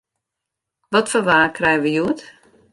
Wat foar waar krije we hjoed?